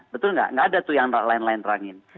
betul gak gak ada tuh yang lain lain terangin